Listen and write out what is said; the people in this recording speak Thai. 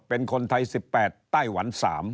เป็นคนไทย๑๘ไต้หวัน๓